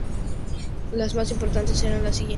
Las más importantes eran las siguientes.